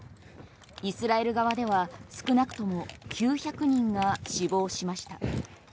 イスラエル側では少なくとも９００人が死亡しました。